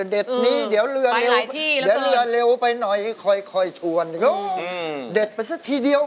เด็ดไปซักที่เดียวอ่ะ